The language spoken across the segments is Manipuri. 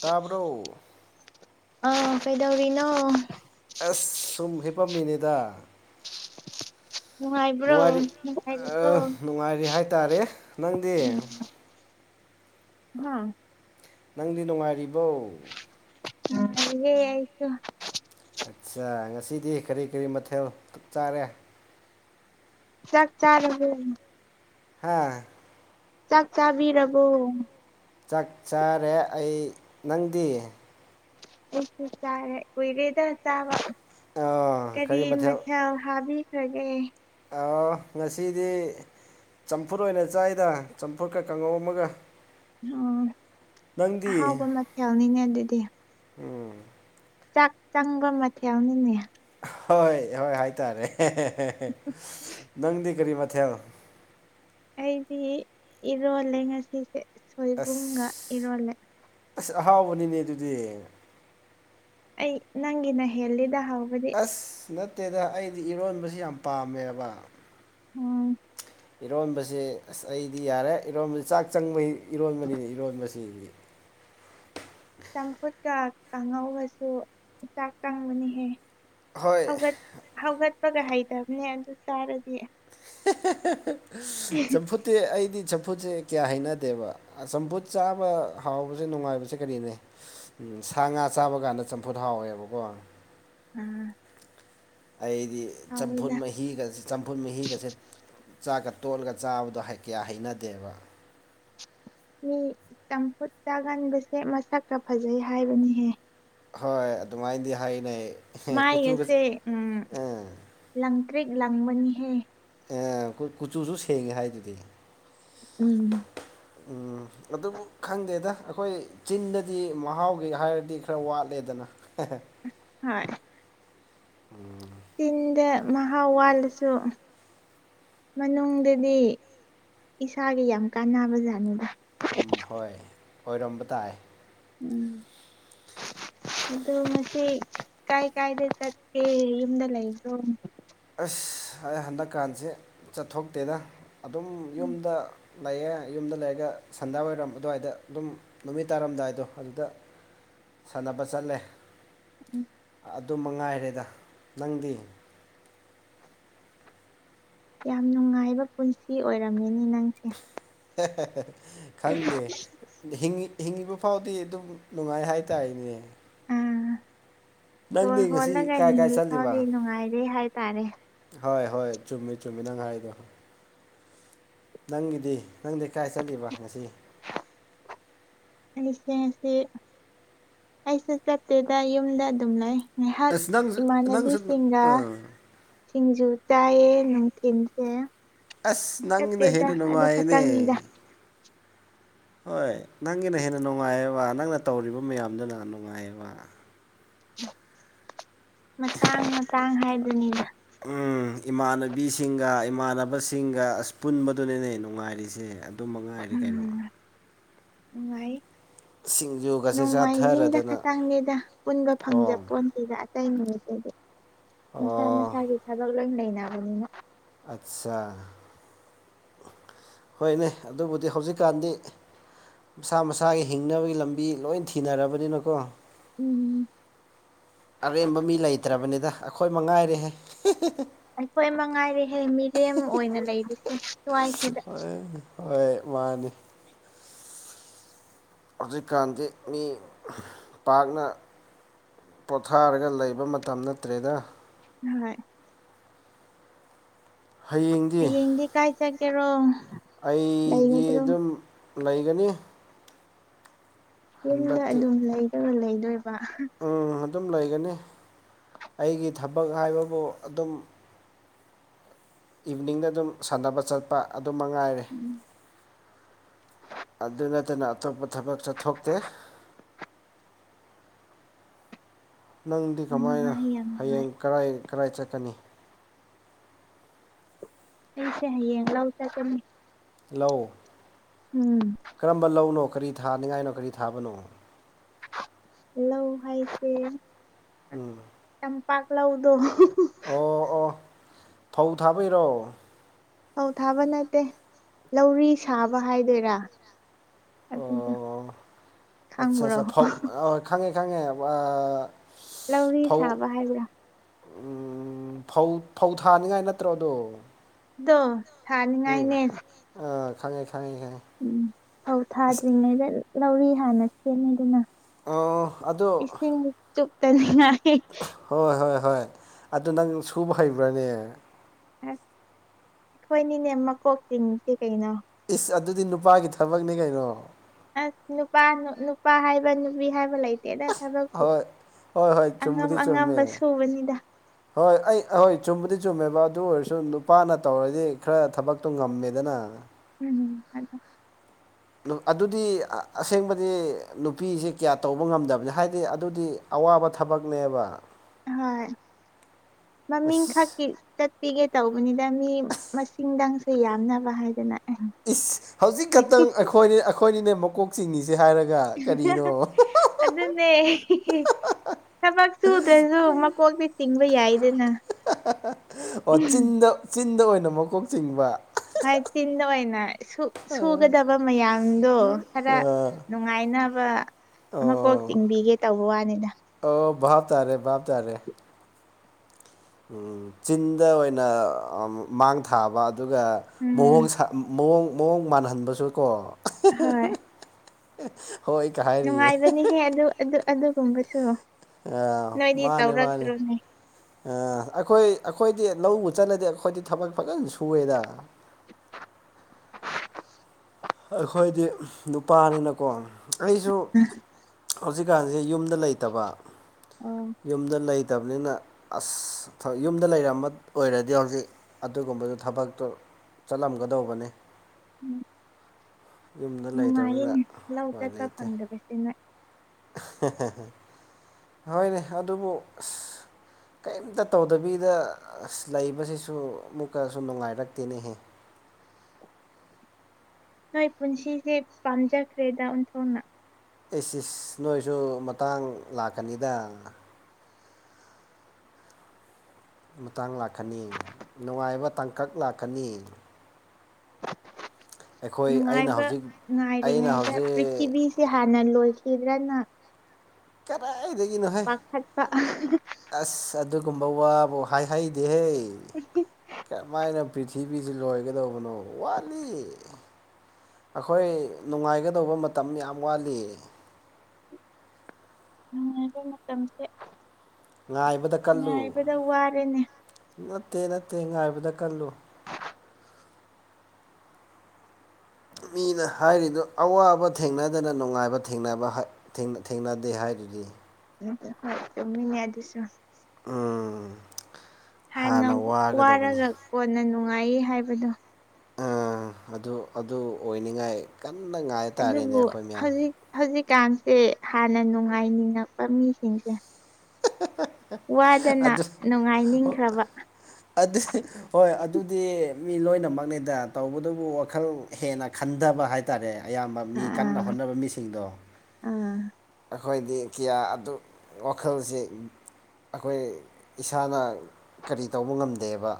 ꯇꯥꯕꯔꯣ꯫ ꯑꯥ ꯀꯩꯗꯧꯔꯤꯅꯣ꯫ ꯑꯁ ꯁꯨꯝ ꯍꯤꯄꯝꯃꯤꯅꯤꯗ ꯅꯨꯡꯉꯥꯏꯕ꯭ꯔꯣ ꯅꯨꯡꯉꯥꯏꯔꯤ ꯑ ꯅꯨꯡꯉꯥꯏꯔꯤꯕꯣ ꯅꯨꯡꯉꯥꯏꯔꯤ ꯍꯥꯏꯇꯥꯔꯦ ꯅꯪꯗꯤ꯫ [unintelligible] ꯅꯪꯗꯤ ꯅꯨꯡꯉꯥꯏꯔꯤꯕꯣ꯫ [unintelligible] ꯑꯩꯁꯨ꯫ ꯑꯠꯆꯥ ꯉꯁꯤꯗꯤ ꯀꯔꯤ ꯀꯔꯤ ꯃꯊꯦꯜ ꯆꯥꯔꯦ ꯆꯥꯛ ꯆꯥꯔꯕꯣ꯫ ꯍꯥꯥ ꯆꯥꯛ ꯆꯥꯕꯤꯔꯕꯣ ꯆꯥꯛ ꯆꯥꯔꯦ ꯑꯩ ꯅꯪꯗꯤ ꯆꯔꯦ ꯀꯣꯏ ꯂꯩꯦꯗ ꯆꯕ ꯑ ꯀꯔꯤ ꯃꯊꯊꯧ ꯍꯥꯞꯕꯤꯈ꯭ꯔꯒꯦ ꯑ ꯉꯁꯤꯗꯤ ꯆꯝꯐꯨꯠ ꯑꯣꯏꯅ ꯆꯥꯏꯗ ꯆꯝꯐꯨꯠꯀ ꯀꯥꯡꯉꯧ ꯑꯃꯒ ꯑꯣ ꯅꯪꯗꯤ ꯑꯍꯥꯎꯕ ꯃꯊꯦꯜꯅꯤꯅꯦ ꯑꯗꯨꯗꯤ ꯎꯝ ꯆꯥꯛ ꯆꯪꯕ ꯃꯊꯦꯜꯅꯤꯅꯦ ꯍꯣꯏ ꯍꯣꯏ ꯍꯥꯏꯇꯥꯔꯦ ꯅꯪꯗꯤ ꯀꯔꯤ ꯃꯊꯦꯜ ꯑꯩꯗꯤ ꯏꯔꯣꯜꯂꯦ ꯉꯁꯤꯁꯦ ꯑꯁ ꯁꯣꯏꯕꯨꯝꯒ ꯏꯔꯣꯜꯂꯦ ꯑꯁ ꯑꯍꯥꯎꯕꯅꯤꯅꯦ ꯑꯗꯨꯗꯤ ꯑꯩ ꯅꯪꯅ ꯍꯦꯜꯗ ꯍꯥꯎ ꯑꯁ ꯅꯠꯇꯦꯗ ꯑꯩꯗꯤ ꯏꯔꯣꯟꯕꯕꯁꯤ ꯌꯥꯝ ꯄꯥꯝꯃꯦꯕ ꯎꯝ ꯏꯔꯣꯟꯕꯁꯦ ꯑꯁ ꯑꯩꯗꯤ ꯌꯥꯔꯦ ꯏꯔꯣꯟꯕꯕꯁꯤ ꯆꯥꯛ ꯆꯪꯕ ꯏꯔꯣꯟꯕꯅꯤꯅ ꯏꯔꯣꯟꯕꯁꯤꯗꯤ ꯆꯝꯐꯨꯠꯀ ꯀꯥꯡꯍꯧꯒꯁꯨ ꯆꯥꯛ ꯀꯪꯕꯅꯤꯍꯦ꯫ ꯍꯣꯏ ꯍꯧꯒꯠ ꯍꯧꯒꯠꯄꯒ ꯍꯩꯇꯕꯅꯦ ꯑꯗꯨ ꯇꯥꯔꯗꯤ ꯆꯝꯐꯨꯠꯇꯤ ꯑꯩꯗꯤ ꯆꯝꯐꯨꯠꯁꯦ ꯀꯌꯥ ꯍꯩꯅꯗꯦꯕ ꯆꯝꯐꯨꯠ ꯆꯥꯕ ꯍꯥꯎꯕꯁꯦ ꯅꯨꯡꯉꯥꯏꯕꯁꯦ ꯀꯔꯤꯅꯦ ꯎ ꯁꯥ ꯉꯥ ꯆꯥꯕ ꯀꯥꯟꯗ ꯆꯝꯐꯨꯠ ꯍꯥꯎꯋꯦꯕꯀꯣ ꯎꯝ ꯑꯩꯗꯤ ꯆꯝꯐꯨꯠ ꯍꯥꯎꯋꯤꯗ ꯃꯍꯤꯒ ꯆꯝꯐꯨꯠ ꯃꯍꯤꯒꯁꯦ ꯆꯥꯛꯀ ꯇꯣꯠꯂꯒ ꯆꯥꯕꯗꯣ ꯀꯌꯥ ꯍꯩꯅꯗꯦꯕ ꯃꯤ ꯆꯝꯐꯨꯠ ꯆꯥꯒꯟꯕꯁꯦ ꯃꯁꯛꯀ ꯐꯖꯩ ꯍꯥꯏꯕꯅꯤꯍꯦ ꯍꯣꯏ ꯑꯗꯨꯃꯥꯏꯅꯗꯤ ꯍꯥꯏꯅꯩ ꯃꯥꯏ ꯀꯨꯆꯨꯒ ꯑꯁꯦ ꯎꯝ ꯑꯥ ꯂꯪ ꯀ꯭ꯔꯤꯛ ꯂꯪꯕꯅꯤꯍꯦ ꯑꯦ ꯀꯨꯆꯨꯁꯨ ꯁꯦꯡꯉꯦ ꯍꯥꯏꯗꯨꯗꯤ ꯎꯝ ꯎꯝ ꯑꯗꯨꯕꯨ ꯈꯪꯗꯦꯗ ꯑꯩꯈꯣꯏ ꯆꯤꯟꯗꯗꯤ ꯃꯍꯥꯎꯒꯤ ꯍꯥꯏꯔꯗꯤ ꯈꯔ ꯋꯥꯠꯂꯦꯗꯅ [inaudible] ꯍꯣꯏ ꯎꯝ ꯆꯤꯟꯗ ꯃꯍꯥꯎ ꯋꯥꯜꯂꯁꯨ ꯃꯅꯨꯡꯗꯗꯤ ꯏꯁꯥꯒꯤ ꯌꯥꯝ ꯀꯥꯟꯅꯕꯖꯥꯠꯅꯤꯕ ꯎꯝ ꯍꯣꯏ ꯑꯣꯏꯔꯝꯕ ꯇꯥꯏ ꯎꯝ [unintelligible] ꯑꯗꯣ ꯉꯁꯤ ꯀꯥꯏ ꯀꯥꯏꯗ ꯆꯠꯀꯦ ꯌꯨꯝꯗ ꯂꯩꯕ꯭ꯔꯣ ꯑꯁ ꯑꯩ ꯍꯟꯗꯛꯀꯥꯟꯁꯦ ꯆꯠꯊꯣꯛꯇꯦꯗ ꯑꯗꯨꯝ ꯎꯝ ꯌꯨꯝꯗ ꯂꯩꯌꯦꯦ ꯌꯨꯝꯗ ꯂꯩꯔꯒ ꯁꯟꯗꯥꯋꯥꯏꯔꯝ ꯑꯗꯨꯋꯥꯏꯗ ꯑꯗꯨꯝ ꯅꯨꯃꯤꯠ ꯇꯥꯔꯝꯗꯥꯏꯗꯣ ꯑꯗꯨꯗ ꯁꯥꯟꯅꯕ ꯆꯠꯂꯦ ꯎꯝ ꯑꯗꯨ ꯃ ꯉꯥꯏꯔꯦꯗ ꯅꯪꯗꯤ ꯌꯥꯝ ꯅꯨꯡꯉꯥꯏꯕ ꯄꯨꯟꯁꯤ ꯑꯣꯏꯔꯝꯃꯤꯅꯤ ꯅꯪꯁꯦ ꯈꯪꯗꯦ ꯍꯤꯡꯉꯤꯕ ꯐꯥꯎꯗꯤ ꯑꯗꯨꯝ ꯅꯨꯡꯉꯥꯏ ꯍꯥꯏꯇꯥꯔꯦꯅꯦ ꯅꯪꯗꯤ ꯇꯣꯔ ꯉꯁꯤ ꯍꯣꯜꯂꯒ ꯀꯥꯏ ꯀꯥꯏ ꯍꯤꯡꯂꯤ ꯈꯥꯎꯗꯤ ꯆꯠꯂꯤꯕ ꯅꯨꯡꯉꯥꯏꯔꯦ ꯍꯥꯏꯇꯥꯔꯦ ꯍꯣꯏ ꯍꯣꯏ ꯆꯨꯝꯃꯤ ꯆꯨꯝꯃꯤ ꯅꯪ ꯍꯥꯏꯔꯤꯗꯣ ꯅꯪꯒꯤꯗꯤ ꯅꯪꯗꯤ ꯀꯥꯏ ꯆꯠꯂꯤꯕ ꯉꯁꯤ ꯑꯩꯁꯤꯡꯦ ꯑꯁꯤ ꯑꯩꯁꯨ ꯆꯠꯇꯦꯗ ꯌꯨꯝꯗ ꯑꯗꯨꯝ ꯂꯩ ꯉꯥꯏꯍꯥꯛ ꯑꯁ ꯅꯪꯁꯨ ꯅꯪꯁꯨ ꯏꯃꯥꯟꯅꯕꯤꯁꯤꯡꯒ ꯑꯥ ꯁꯤꯡꯖꯨ ꯆꯥꯏꯌꯦ ꯅꯨꯡꯊꯤꯟꯁꯦ ꯑꯁ ꯅꯪꯅ ꯆꯠꯇꯦꯗ ꯍꯦꯟꯅ ꯑꯗꯨ ꯅꯨꯡꯉꯥꯏꯅꯦ ꯈꯛꯇꯪꯅꯤꯗ ꯍꯣꯏ ꯅꯪꯒꯤꯅ ꯍꯦꯟꯅ ꯅꯨꯡꯉꯥꯏꯑꯕ ꯅꯪꯅ ꯇꯧꯔꯤꯕ ꯃꯌꯥꯝꯗꯨꯅ ꯅꯨꯡꯉꯥꯏꯌꯦꯕ ꯃꯇꯥꯡ ꯃꯇꯥꯡ ꯍꯥꯏꯗꯨꯅꯤꯅ ꯎꯝ ꯏꯃꯥꯟꯅꯕꯤꯁꯤꯡꯒ ꯏꯃꯥꯟꯅꯕꯁꯤꯡꯒ ꯑꯁ ꯄꯨꯟꯕꯗꯨꯅꯅꯦ ꯅꯨꯡꯉꯥꯏꯔꯤꯁꯦ ꯑꯗꯨꯝ ꯃꯉꯥ ꯍꯥꯏꯔꯗꯤ ꯀꯩꯅꯣ ꯎꯝ ꯅꯨꯡꯉꯥꯏ ꯁꯤꯡꯖꯣ ꯅꯣꯡꯃꯥꯏꯖꯤꯡꯗ ꯈꯇꯪꯅꯦꯦꯗ ꯄꯨꯟꯕ ꯐꯪꯖ ꯑꯣ ꯄꯣꯟꯁꯤꯗ ꯑꯇꯩ ꯅꯨꯃꯤꯠꯇꯗꯤ ꯃꯁꯥ ꯑꯣ ꯃꯁꯥꯒꯤ ꯊꯕꯛ ꯂꯣꯏ ꯂꯩꯅꯕꯅꯤꯅ ꯑꯠꯆꯥ ꯍꯣꯏꯅꯦ ꯑꯗꯨꯕꯨꯗꯤ ꯍꯧꯖꯤꯛꯀꯥꯟꯗꯤ ꯃꯁꯥ ꯃꯁꯥꯒꯤ ꯍꯤꯡꯅꯕꯒꯤ ꯂꯝꯕꯤ ꯂꯣꯏ ꯊꯤꯅꯔꯕꯅꯤꯅꯀꯣ ꯎꯝ ꯑꯔꯦꯝꯕ ꯃꯤ ꯂꯩꯇ꯭ꯔꯕꯅꯤꯗ ꯑꯩꯈꯣꯏ ꯃꯉꯥꯏꯔꯦꯍꯦ ꯑꯩꯈꯣꯏ ꯃ ꯉꯥꯏꯔꯤꯦꯍꯦ ꯃꯤꯔꯦꯝ ꯑꯣꯏꯅ ꯂꯩꯔꯤꯁꯦ ꯁ꯭ꯋꯥꯏꯁꯤꯗ ꯐ ꯍꯣꯏ ꯃꯥꯅꯤ ꯍꯧꯖꯤꯛꯀꯥꯟꯗꯤ ꯃꯤ ꯄꯥꯛꯅ ꯄꯣꯊꯥꯔꯒ ꯂꯩꯕ ꯃꯇꯝ ꯅꯠꯇ꯭ꯔꯦꯗ ꯍ ꯍꯌꯦꯡꯒꯤ ꯍꯌꯦꯡꯗꯤ ꯀꯥꯏ ꯆꯒꯦꯔꯣ ꯑꯩꯗꯤ ꯑꯗꯨꯝ ꯂꯩꯒꯅꯤ ꯌꯨꯝꯗ ꯍꯟꯗꯛꯇꯤ ꯑꯗꯨꯝ ꯂꯩꯗꯕ ꯂꯩꯗꯣꯏꯕ ꯎꯝ ꯑꯗꯨꯝ ꯂꯩꯒꯅꯤ ꯑꯩꯒꯤ ꯊꯕꯛ ꯍꯥꯏꯕꯕꯨ ꯑꯗꯨꯝ ꯏꯚꯤꯅꯤꯡꯗ ꯑꯗꯨꯝ ꯁꯥꯟꯅꯕ ꯆꯠꯄ ꯑꯗꯨ ꯃꯉꯥꯏꯔꯦ ꯎꯝ ꯑꯗꯨ ꯅꯠꯇꯅ ꯑꯇꯣꯞꯄ ꯊꯕꯛ ꯆꯠꯊꯣꯛꯇꯦ ꯅꯪꯗꯤ ꯌꯥꯝ ꯀꯃꯥꯏꯅ ꯅꯨꯡꯉꯥꯏ ꯌꯥꯝ ꯅꯨꯡꯉꯥꯏ ꯍꯌꯦꯡ ꯀꯔꯥꯏ ꯀꯔꯥꯏ ꯆꯠꯀꯅꯤ ꯑꯩꯁꯦ ꯍꯌꯦꯡ ꯂꯧ ꯆ ꯆꯅꯤ ꯂꯧ ꯎꯝ ꯀꯔꯝꯕ ꯂꯧꯅꯣ ꯀꯔꯤ ꯊꯥꯅꯤꯡꯉꯥꯏꯅꯣ ꯀꯔꯤ ꯊꯥꯕꯅꯣ ꯂꯣ ꯍꯥꯏꯁ ꯎꯝ ꯆꯝꯄꯥꯛꯥꯛ ꯂꯧꯥꯎꯗꯣ ꯑꯣ ꯑꯣ ꯐꯧ ꯊꯥꯕꯔꯣ ꯑꯧ ꯊꯥꯕ ꯅꯠꯇꯦ ꯂꯧꯔꯤ ꯁꯥꯕ ꯍꯥꯏꯗꯣꯏꯔꯥ ꯑꯗꯨꯗ ꯑꯣ ꯊꯥꯡꯕ꯭ꯔꯣ ꯈꯉꯦ ꯈꯉꯦ ꯂꯧꯔꯤ ꯁꯥꯕ ꯍꯥꯏꯕ꯭ꯔꯥ ꯎꯝ ꯐꯧ ꯐꯧ ꯊꯥꯅꯤꯡꯉꯥꯏ ꯅꯠꯇ꯭ꯔꯣꯗꯣ ꯗꯣ ꯎꯝ ꯑꯥ ꯈꯉꯦ ꯈꯪꯉꯦ ꯈꯪꯉꯦ ꯎꯝ ꯐꯧ ꯑꯁ ꯊꯥꯗ꯭ꯔꯤꯉꯩꯗ ꯂꯧꯔꯤ ꯍꯥꯟꯅ ꯁꯦꯃꯤꯗꯅ ꯑꯗꯣ ꯏꯁꯤꯡ ꯆꯨꯞꯇꯅꯤꯡꯉꯥꯏ ꯍꯣꯏ ꯍꯣꯏ ꯍꯣꯏ ꯑꯗꯨ ꯅꯪ ꯁꯨꯕ ꯍꯩꯕ꯭ꯔꯥꯅꯦ ꯑꯩꯈꯣꯏꯅꯤꯅꯦ ꯃꯀꯣꯛ ꯆꯤꯡꯉꯤꯁꯤ ꯀꯩꯅꯣ ꯏꯁ ꯑꯗꯨꯗꯤ ꯅꯨꯄꯥꯒꯤ ꯊꯕꯛꯅꯤ ꯀꯩꯅꯣ ꯑꯁ ꯅꯨꯄꯥ ꯅꯨꯄꯥ ꯍꯥꯏꯕ ꯅꯨꯄꯤ ꯍꯥꯏꯕ ꯂꯩꯇꯦꯗ ꯊꯕꯛꯄꯨ ꯍꯣꯏ ꯍꯣꯏ ꯍꯣꯏ ꯑꯉꯝ ꯆꯨꯝꯕꯨꯗꯤ ꯑꯉꯝꯕ ꯆꯨꯝꯃꯦ ꯁꯨꯕꯅꯤꯗ ꯍꯣꯏ ꯑꯩ ꯍꯣꯏ ꯆꯨꯝꯕꯨꯗꯤ ꯆꯨꯝꯃꯦꯕ ꯑꯗꯨ ꯑꯣꯏꯔꯁꯨ ꯅꯨꯄꯥꯅ ꯇꯧꯔꯗꯤ ꯈꯔ ꯊꯕꯛꯇꯣ ꯉꯝꯃꯦꯗꯅ ꯎꯝ ꯑꯗꯨ ꯑꯗꯨꯗꯤ ꯑꯁꯦꯡꯕꯗꯤ ꯅꯨꯄꯤꯁꯦ ꯀꯌꯥ ꯇꯧꯕ ꯉꯝꯗꯕꯅꯤ ꯍꯥꯏꯗꯤ ꯑꯗꯨꯗꯤ ꯑꯋꯥꯕ ꯊꯕꯛꯅꯦꯕ ꯍꯥꯢ ꯃꯃꯤꯡ ꯑꯁ ꯈꯛꯀꯤ ꯆꯠꯄꯤꯒꯦ ꯇꯧꯕꯅꯤꯗ ꯃꯤ ꯃꯁꯤꯡꯗꯪꯁꯨ ꯌꯥꯝꯅꯕ ꯍꯥꯏꯗꯅ ꯏꯁ ꯍꯧꯖꯤꯛ ꯈꯛꯇꯪ ꯑꯩꯈꯣꯏ ꯑꯩꯈꯣꯏꯅꯤꯅꯦ ꯃꯀꯣꯛ ꯆꯤꯡꯉꯤꯁꯦ ꯍꯥꯏꯔꯒ ꯀꯔꯤꯅꯣ ꯑꯗꯨꯅꯦ ꯊꯕꯛ [unintelligible] ꯁꯨꯗ꯭ꯔꯁꯨ ꯃꯀꯣꯛꯇꯤ ꯆꯤꯡꯕ ꯌꯥꯏꯗꯅ ꯑꯣ ꯆꯤꯟꯗ ꯆꯤꯟꯗ ꯑꯣꯏꯅ ꯃꯀꯣꯛ ꯆꯤꯡꯕ ꯍꯣꯢ ꯆꯤꯟꯗ ꯑꯣꯢꯅ ꯁꯨꯒꯗꯕ ꯃꯌꯥꯝꯗꯣ ꯈꯔ ꯑ ꯅꯨꯡꯉꯥꯏꯅꯕ ꯑꯃ ꯀꯣꯛ ꯑꯣ ꯆꯤꯡꯕꯤꯒꯦ ꯇꯧꯕ ꯋꯥꯅꯤꯗ ꯑꯣ ꯚꯥꯞ ꯇꯥꯔꯦ ꯚꯥꯞ ꯇꯥꯔꯦ ꯆꯤꯟꯗ ꯑꯣꯏꯅ ꯑꯝ ꯃꯥꯡ ꯊꯥꯕ ꯑꯗꯨꯒ ꯃꯑꯣꯡ ꯎꯝ ꯃꯑꯣꯡ ꯃꯑꯣꯡ ꯃꯥꯟꯍꯟꯕꯁꯨ ꯀꯣ ꯍꯣꯏ [unintelligible] ꯍꯣꯏ꯫ ꯅꯨꯡꯉꯥꯏꯕꯅꯤꯍꯦ ꯑꯗꯨ ꯑꯗꯨꯒꯨꯝꯕꯁꯨ ꯑ ꯅꯣꯏꯗꯤ ꯃꯥꯅꯦ ꯃꯥꯅꯦ ꯇꯧꯔꯛꯇ꯭ꯔꯣꯅꯦ ꯑ ꯑꯩꯈꯣꯏ ꯑꯩꯈꯣꯏꯗꯤ ꯂꯧꯕꯨ ꯆꯠꯂꯗꯤ ꯑꯩꯈꯣꯏꯗꯤ ꯊꯕꯛ ꯐꯖꯅ ꯁꯨꯑꯦꯗ ꯑꯩꯈꯣꯏꯗꯤ ꯅꯨꯄꯥꯅꯤꯅꯀꯣ ꯑꯩꯁꯨ ꯍꯧꯖꯤꯛꯀꯥꯟꯁꯦ ꯌꯨꯝꯗ ꯂꯩꯇꯕ ꯑꯣ ꯌꯨꯝꯗ ꯂꯩꯇꯕꯅꯤꯅ ꯑꯁ ꯌꯨꯝꯗ ꯂꯩꯔꯝꯕ ꯑꯣꯏꯔꯗꯤ ꯍꯧꯖꯤꯛ ꯑꯗꯨꯒꯨꯝꯕꯗꯨ ꯊꯕꯛꯇꯨ ꯆꯠꯂꯝꯒꯗꯧꯕꯅꯤ ꯎꯝ ꯌꯨꯝꯗ ꯅꯨꯡꯉꯥꯏꯌꯦ ꯂꯩꯇꯕꯅꯤꯅ ꯂꯧ ꯎꯄꯥꯏ ꯆꯠꯄ ꯂꯩꯇꯦ ꯐꯪꯗꯕꯁꯤ ꯅ [unintelligible] ꯍꯣꯏꯅꯦ ꯑꯗꯨꯕꯨ ꯑꯁ ꯀꯩꯝꯇ ꯇꯧꯗꯕꯤꯗ ꯑꯁ ꯂꯩꯕꯁꯤꯁꯨ ꯑꯃꯨꯛꯀꯁꯨ ꯅꯨꯡꯉꯥꯏꯔꯛꯇꯦꯅꯦꯍꯦ ꯅꯣꯏ ꯄꯨꯟꯁꯤꯁꯦ ꯄꯥꯝꯖꯈ꯭ꯔꯦꯗ ꯑꯣꯟꯊꯣꯛꯅ ꯑꯦꯁ ꯁꯤꯁ ꯅꯣꯏꯁꯨ ꯃꯇꯥꯡ ꯂꯥꯛꯀꯅꯤꯗ ꯃꯇꯥꯡ ꯂꯥꯛꯀꯅꯤ ꯅꯨꯡꯉꯥꯏꯕ ꯇꯥꯡꯀꯛ ꯂꯥꯛꯀꯅꯤ ꯑꯩꯈꯣꯏ ꯑꯩꯅ ꯅꯨꯡꯉꯥꯏꯕ ꯍꯧꯖꯤꯛ ꯑꯩꯅ ꯉꯥꯏꯔꯤꯉꯩꯗ ꯍꯧꯖꯤꯛ ꯄ꯭ꯔꯤꯊꯤꯕꯤꯁꯤ ꯍꯥꯟꯅ ꯂꯣꯏꯈꯤꯗꯅ ꯀꯗꯥꯏꯗꯒꯤꯅꯣ ꯍꯩ ꯄꯥꯈꯠꯄ ꯑꯁ ꯑꯗꯨꯒꯨꯝꯕ ꯋꯥꯕꯨ ꯍꯥꯏꯍꯩꯗꯦꯍꯦ [unintelligible] ꯀꯔꯝꯃꯥꯏꯅ ꯄ꯭ꯔꯤꯊꯤꯕꯤꯁꯤ ꯂꯣꯏꯒꯗꯧꯕꯅꯣ ꯋꯥꯠꯂꯤ ꯑꯈꯣꯏ ꯅꯨꯡꯉꯥꯏꯒꯗꯧꯕ ꯃꯇꯝ ꯌꯥꯝ ꯋꯥꯠꯂꯤ ꯅꯨꯡꯉꯥꯏꯕ ꯃꯇꯝꯖꯦ ꯉꯥꯏꯕꯗ ꯀꯜꯂꯨ ꯉꯥꯏꯕꯗ ꯋꯥꯔꯦꯅꯦ ꯅꯠꯇꯦ ꯅꯠꯇꯦ ꯉꯥꯏꯕꯗ ꯀꯜꯂꯨ ꯃꯤꯅ ꯍꯥꯏꯔꯤꯗꯨ ꯑꯋꯥꯕ ꯊꯦꯡꯅꯗꯅ ꯅꯨꯡꯉꯥꯏꯕ ꯊꯦꯡꯅꯕ ꯊꯦꯡꯅꯗꯦ ꯍꯥꯏꯗꯨꯗꯤ ꯍꯣꯏ ꯆꯨꯃꯤꯅꯦ ꯑꯗꯨꯁꯨ ꯎꯝ ꯍꯥꯟꯅ ꯋꯥꯔꯒ ꯀꯣꯟꯅ ꯅꯨꯡꯉꯥꯏꯌꯦ ꯍꯥꯏꯕꯗꯣ ꯑꯥ ꯑꯗꯨ ꯑꯗꯨ ꯑꯣꯏꯅꯤꯉꯥꯏ ꯀꯟꯅ ꯉꯥꯏ ꯇꯥꯥꯔꯦꯅꯦ ꯑꯗꯨꯕꯨ ꯑꯩꯈꯣꯏ ꯃꯌꯥꯝ ꯍꯧꯖꯤꯛ ꯍꯧꯖꯤꯛꯀꯥꯟꯁꯦ ꯍꯥꯟꯅ ꯅꯨꯡꯉꯥꯏꯅꯤꯡꯉꯛꯄ ꯃꯤꯁꯤꯡꯁꯦ [unintelligible] ꯋꯥꯗꯅ ꯅꯨꯡꯉꯥꯏꯅꯤꯡꯈ꯭ꯔꯕ ꯑꯗ ꯍꯣꯏ ꯑꯗꯨꯗꯤ ꯃꯤ ꯂꯣꯏꯅꯃꯛꯅꯤꯗ ꯇꯧꯕꯗꯨꯕꯨ ꯋꯥꯈꯜ ꯍꯦꯟꯅ ꯈꯟꯊꯕ ꯍꯥꯏꯇꯥꯔꯦ ꯍꯥꯏꯇꯥꯥꯔꯦ ꯑꯌꯥꯝꯕ ꯃꯤ ꯑꯥ ꯀꯟꯅ ꯍꯣꯠꯅꯕ ꯃꯤꯁꯤꯡꯗꯣ ꯑꯥ ꯑꯩꯈꯣꯏꯗꯤ ꯀꯤꯌꯥ ꯑꯗꯨ ꯋꯥꯈꯜꯁꯦ ꯑꯩꯈꯣꯏ ꯏꯁꯥꯅ ꯀꯔꯤ ꯇꯧꯕ ꯉꯝꯗꯦꯕ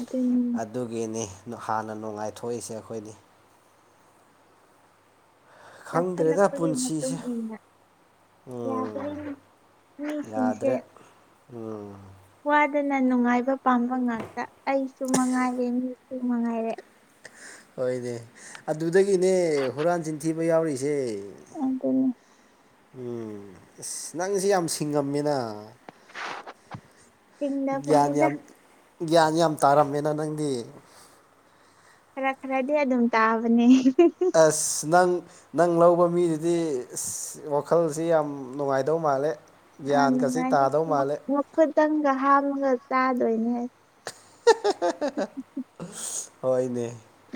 ꯑ ꯇ ꯑꯗꯨꯒꯤꯅꯤ ꯍꯥꯟꯅ ꯅꯨꯡꯉꯥꯏꯊꯣꯛꯏꯁꯦ ꯑꯩꯈꯣꯏꯅꯤ ꯈꯪꯗ꯭ꯔꯦꯗ ꯆꯥꯎꯈꯠꯂꯛꯄꯒꯤ ꯃꯇꯨꯡ ꯄꯨꯟꯁꯤꯁꯦ꯫ ꯏꯟꯅ ꯎꯝ ꯌꯥꯗ꯭ꯔꯦꯅꯦ ꯃꯤꯁꯤꯡꯁꯦ ꯌꯥꯗ꯭ꯔꯦ ꯎꯝ꯫ ꯋꯥꯗꯅ ꯅꯨꯡꯉꯥꯏꯕ ꯄꯥꯝꯕ ꯉꯥꯛꯇ ꯑꯩꯁꯨ ꯃꯉꯥꯏꯔꯦ ꯃꯤꯁꯨ ꯃꯉꯥꯏꯔꯦ ꯍꯣꯏꯅꯦ ꯑꯗꯨꯗꯒꯤꯅꯦ ꯍꯨꯔꯥꯟ ꯆꯤꯟꯊꯤꯕ ꯌꯥꯎꯔꯤꯖꯦ꯫ [unintelligible] ꯎꯝ ꯑꯁ ꯅꯪꯁ ꯌꯥꯝ ꯁꯤꯡꯉꯝꯃꯤꯅ ꯒ꯭ꯌꯥꯟ ꯆꯤꯡꯗꯕꯅꯤꯗ ꯌꯥꯝ ꯒ꯭ꯌꯥꯟ ꯌꯥꯝ ꯇꯥꯔꯝꯃꯦꯅ ꯅꯪꯗꯤ ꯈꯔ ꯈꯔꯗꯤ ꯑꯗꯨꯝ ꯇꯥꯕꯅꯦꯍꯦ [unintelligible] ꯑꯁ ꯅꯪ ꯅꯪ ꯂꯧꯕ ꯃꯤꯗꯨꯗꯤ ꯑ ꯋꯥꯈꯜꯁꯤ ꯌꯥꯝ ꯅꯨꯡꯉꯥꯏꯗꯧ ꯃꯥꯜꯂꯦ ꯒ꯭ꯌꯥꯟꯒꯥꯁꯤ ꯇꯥꯗꯧ ꯃꯥꯜꯂꯦ ꯈꯨꯇꯪꯒ ꯍꯥꯝꯃꯒ ꯆꯥꯗꯣꯏꯅꯦꯍ [unintelligible] ꯍꯣꯏꯅꯦ꯫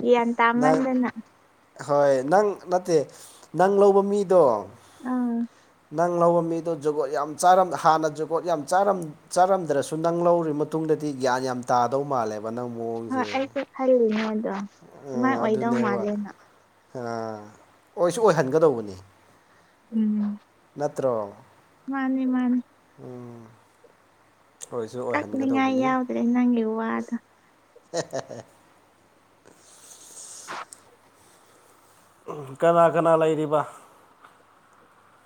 ꯏ ꯑ ꯇ ꯅꯪ ꯑꯃꯟꯗꯅ ꯍꯣꯏ ꯅꯪ ꯅꯠꯇꯦ ꯅꯪ ꯂꯧꯕ ꯃꯤꯗꯣ ꯎꯝ ꯅꯪ ꯂꯧꯕ ꯃꯤꯗꯣ ꯖꯨꯒꯣꯠ ꯌꯥꯝ ꯆꯥꯔꯝ ꯍꯥꯟꯅ ꯖꯨꯒꯣꯠ ꯌꯥꯝ ꯆꯥꯔꯝ ꯆꯥꯔꯝꯗ꯭ꯔꯁꯨ ꯅꯪ ꯂꯧꯔ ꯃꯇꯨꯡꯗꯗꯤ ꯒ꯭ꯌꯥꯟ ꯌꯥꯝ ꯇꯥꯗꯧ ꯃꯥꯜꯂꯦꯕ ꯅꯪ ꯍꯣꯏ ꯅꯣꯡꯖꯦ ꯑꯩꯁꯨ ꯈꯜꯂꯤꯅꯦ ꯑꯗꯣ ꯑꯗꯨꯃꯥꯏ ꯎꯝ ꯑꯣꯏꯗꯧ ꯑꯗꯨꯅꯦꯕ꯫ ꯃꯥꯜꯂꯦꯅ ꯑ ꯑꯣꯏꯁꯨ ꯑꯣꯏꯍꯟꯒꯗꯧꯕꯅꯤ꯫ ꯎꯝ ꯅꯠꯇ꯭ꯔꯣ꯫ ꯃꯥꯅꯤ ꯃꯥꯅꯤ꯫ ꯎꯝ ꯀꯛꯂꯤꯉꯥꯏ ꯌꯥꯎꯗ꯭ꯔꯦ ꯅꯪꯒꯤ ꯍꯨ ꯑꯗ [unintelligible] ꯀꯅꯥ ꯀꯅꯥ ꯂꯩꯔꯤꯕ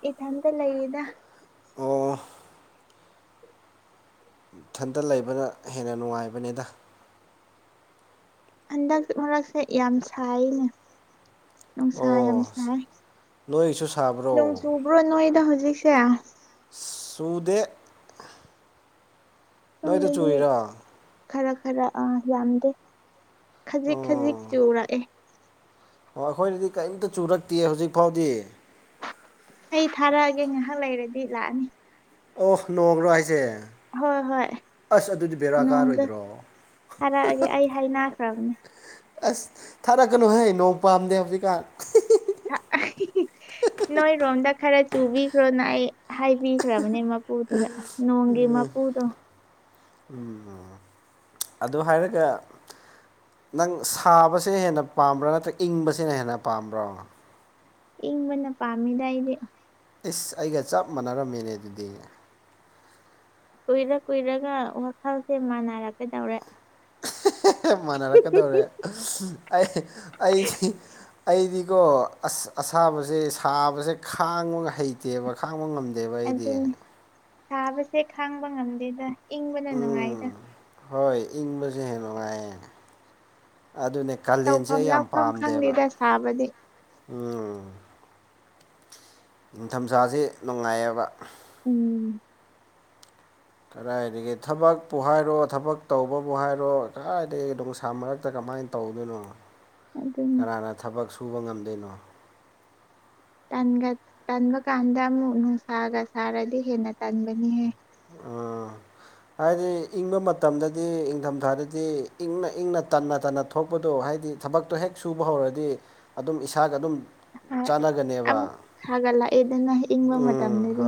ꯏꯊꯟꯇ ꯂꯩꯌꯦꯗ꯫ ꯑꯣ ꯏꯊꯟꯇ ꯂꯩꯕꯅ ꯍꯦꯟꯅ ꯅꯨꯡꯉꯥꯏꯕꯅꯤꯗ꯫ ꯍꯟꯗꯛ ꯃꯔꯛꯁꯦ ꯌꯥꯝ ꯁꯥꯏꯅꯦ ꯅꯨꯡꯁꯥ ꯌꯥꯝ ꯑꯣ ꯁꯥꯏ ꯅꯣꯏꯁꯨ ꯅꯣꯡ ꯁꯥꯕ꯭ꯔꯣ ꯆꯨꯕ꯭ꯔꯣ ꯅꯣꯏꯗ ꯍꯧꯖꯤꯛꯁꯦ ꯆꯨꯗꯦ ꯅꯣꯏꯗꯤ ꯁꯣꯝꯗꯗꯤ ꯆꯨꯔꯤꯔꯣ꯫ ꯈꯔ ꯈꯔ ꯑꯥ ꯌꯥꯝꯗꯦ ꯈꯖꯤꯛ ꯈꯖꯤꯛ ꯆꯨꯔꯛꯑꯦ ꯑꯣ ꯑꯩꯈꯣꯏꯒꯤꯗꯤ ꯀꯔꯤꯝꯇ ꯆꯨꯔꯛꯇꯦ ꯍꯧꯖꯤꯛ ꯐꯥꯎꯗꯤ꯫ ꯑꯩ ꯊꯥꯔꯛꯑꯒꯦ ꯉꯥꯏꯍꯥꯛ ꯂꯩꯔꯗꯤ ꯂꯥꯛꯑꯅꯤ꯫ ꯑꯣ ꯅꯣꯡꯔꯣ ꯍꯥꯏꯁꯦ ꯍꯣꯏ ꯍꯣꯏ ꯑꯁ ꯑꯗꯨꯗꯤ ꯕꯦꯔꯥ ꯅꯣꯡꯗꯣ ꯀꯥꯔꯣꯏꯗ꯭ꯔꯣ꯫ ꯊꯥꯔꯛꯑꯒꯦ ꯑꯩ ꯍꯥꯏꯅꯈ꯭ꯔꯕꯅꯦ ꯑꯁ ꯊꯥꯔꯛꯀꯅꯨꯍꯦ ꯅꯣꯡ ꯄꯥꯝꯗꯦ ꯍꯧꯖꯤꯛꯀꯥꯟ ꯅꯣꯏꯔꯣꯝꯗ ꯈꯔ ꯆꯨꯕꯤꯈ꯭ꯔꯣꯅ ꯑꯩ ꯍꯥꯏꯕꯤ ꯈ꯭ꯔꯕꯅꯦ ꯃꯄꯨꯗꯨꯗ ꯅꯣꯡꯒꯤ ꯃꯄꯨꯗꯣ ꯎꯝ ꯎ ꯑꯗꯨ ꯍꯥꯏꯔꯒ ꯅꯪ ꯁꯥꯕꯁꯤꯅ ꯍꯦꯟꯅ ꯄꯥꯝꯕ꯭ꯔꯥ ꯅꯠꯇ꯭ꯔꯒ ꯏꯪꯕꯁꯤꯅ ꯍꯦꯟꯅ ꯄꯥꯝꯕ꯭ꯔꯣ꯫ ꯏꯪꯕꯅ ꯄꯥꯝꯃꯤꯗ ꯑꯩꯗꯤ ꯏꯁ ꯑꯩꯒ ꯆꯞ ꯃꯥꯟꯅꯔꯝꯃꯤꯅꯦ ꯑꯗꯨꯗꯤ꯫ ꯀꯨꯏꯔ ꯀꯨꯏꯔꯒ ꯋꯥꯈꯜꯁꯦ ꯃꯥꯟꯅꯔ ꯀꯩꯗꯧꯔꯦ ꯃꯥꯟꯅꯔꯛꯀꯗꯧꯔꯦ ꯑꯩ ꯑꯩꯗꯤ ꯑꯩꯗꯤꯀꯣ ꯑꯁ ꯑꯁꯥꯕꯁꯦ ꯁꯥꯕꯁꯦ ꯈꯥꯡꯉꯒ ꯍꯩꯇꯦ ꯇꯦꯕ ꯈꯥꯡꯕ ꯉꯝꯗꯦꯕ ꯑꯩꯗꯤ ꯑꯗꯨꯅ ꯁꯥꯕꯁꯦ ꯈꯥꯡꯕ ꯉꯝꯗꯦꯗ ꯏꯪꯕꯅ ꯅꯨꯡꯉꯥꯏꯗ ꯎꯝ ꯍꯣꯏ ꯏꯪꯕꯁꯦ ꯍꯦꯟꯅ ꯅꯨꯡꯉꯥꯏꯌꯦ ꯑꯗꯨꯅꯦ ꯀꯥꯂꯦꯟꯁꯦ ꯇꯧꯐꯝ ꯑꯩ ꯌꯥꯝ ꯂꯥꯛꯐꯝ ꯄꯥꯝꯗꯦꯕ ꯈꯪꯗꯦꯗ ꯁꯥꯕꯗꯤ ꯎꯝ ꯅꯤꯡꯊꯝꯊꯥꯥꯁ ꯅꯨꯡꯉꯥꯏꯑꯕ ꯎꯝ ꯀꯗꯥꯏꯗꯒꯤ ꯊꯕꯛꯄꯨ ꯍꯥꯏꯔꯣ ꯊꯕꯛ ꯇꯧꯕꯕꯨ ꯍꯥꯏꯔꯣ ꯀꯗꯥꯏꯗꯒꯤ ꯑꯗꯨꯝ ꯁꯃꯔꯛ ꯃꯛꯇ ꯀꯃꯥꯏꯅ ꯇꯧꯗꯣꯏꯅꯣ ꯑꯗꯨꯅꯦ ꯀꯅꯥꯅ ꯊꯕꯛ ꯁꯨꯕ ꯉꯝꯗꯣꯏꯅꯣ ꯇꯟꯕ ꯀꯥꯟꯗ ꯑꯃꯨꯛ ꯅꯨꯡꯁꯥꯒ ꯁꯥꯔꯗꯤ ꯍꯦꯟꯅ ꯇꯟꯕꯅꯤꯍꯦ ꯑꯥ ꯍꯥꯏꯗꯤ ꯏꯪꯕ ꯃꯇꯝꯗꯗꯤ ꯏꯪꯊꯝꯊꯥꯗꯗꯤ ꯏꯪꯅ ꯏꯪꯅ ꯇꯟꯅ ꯇꯟꯅ ꯊꯣꯛꯄꯗꯣ ꯍꯥꯏꯗꯤ ꯊꯕꯛꯇꯣ ꯍꯦꯛ ꯁꯨꯕ ꯍꯧꯔꯗꯤ ꯑꯗꯨꯝ ꯏꯁꯥꯒ ꯑꯗꯨꯝ ꯍꯣꯏ, ꯆꯥꯟꯅꯒꯅꯦꯕ ꯑꯃꯨꯛ ꯁꯥꯒꯠꯂꯛꯑꯦꯗꯅ ꯏꯪꯕ ꯎꯝ ꯃꯇꯝꯗꯗꯤ ꯍꯣꯏ